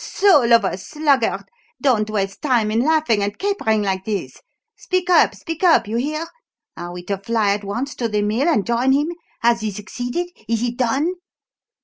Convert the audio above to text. "Soul of a sluggard, don't waste time in laughing and capering like this! Speak up, speak up, you hear? Are we to fly at once to the mill and join him? Has he succeeded? Is it done?"